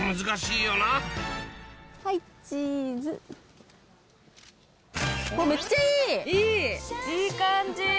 いい感じ！